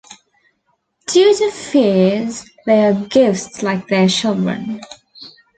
Due to Phears, they are ghosts like their children.